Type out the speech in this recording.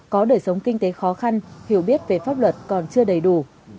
có đời sống kinh tế khó khăn hiểu biết về pháp luật còn chưa đầy đủ